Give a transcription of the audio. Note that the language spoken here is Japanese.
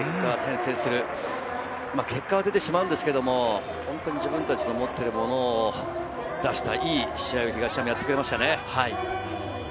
また結果は出てしまうんですけれどホントに自分たちの持ってるものも出した、いい試合を東山はやってくれましたね。